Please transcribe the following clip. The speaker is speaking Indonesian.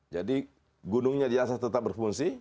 jadi gunungnya biasa tetap berfungsi